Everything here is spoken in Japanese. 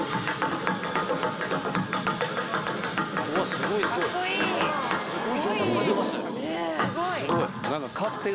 すごいすごい！